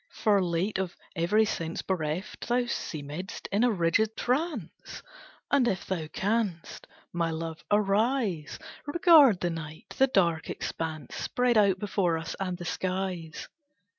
For late of every sense bereft Thou seemedst in a rigid trance; And if thou canst, my love, arise, Regard the night, the dark expanse Spread out before us, and the skies."